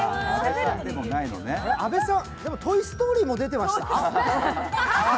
阿部さん、「トイ・ストーリー」も出てました？